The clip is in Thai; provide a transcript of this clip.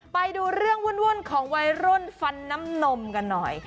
ไปดูเรื่องวุ่นของวัยรุ่นฟันน้ำนมกันหน่อย